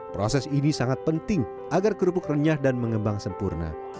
proses ini sangat penting agar kerupuk renyah dan mengembang sempurna